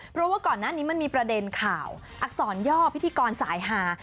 เพราะว่าก่อนหน้านี้มันมีประเด็นข่าวอักษรย่อพิธีกรสายหา